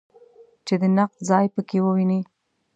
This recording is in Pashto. چې د نقد ځای په کې وویني.